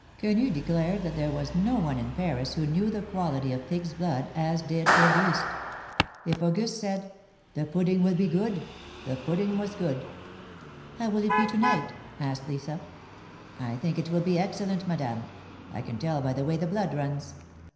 Quenu declared that there was no one in Paris who knew the quality of pig's blood as did Auguste. If Auguste said :" The pudding will be good," the pudding was good. THE MARKETS OF PARIS. Ill How will it be to night ? asked Lisa. "I think it will be excellent, Madame. I can tell by the way the blood runs.